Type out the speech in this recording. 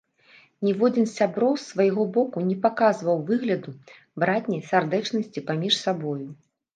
Ніводзін з сяброў з свайго боку не паказваў выгляду братняй сардэчнасці паміж сабою.